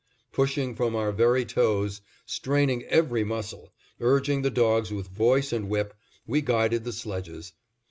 Pushing from our very toes, straining every muscle, urging the dogs with voice and whip, we guided the sledges.